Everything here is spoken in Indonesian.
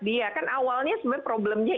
dia kan awalnya sebenarnya problemnya